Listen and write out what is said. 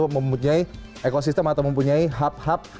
mempunyai ekosistem atau mempunyai hub hub